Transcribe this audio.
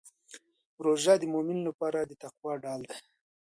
روژه د مؤمن لپاره د تقوا ډال دی.